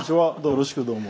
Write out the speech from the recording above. よろしくどうも。